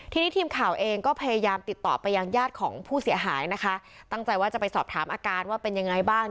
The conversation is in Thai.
ทีนี้ทีมข่าวเองก็พยายามติดต่อไปยังญาติของผู้เสียหายนะคะตั้งใจว่าจะไปสอบถามอาการว่าเป็นยังไงบ้าง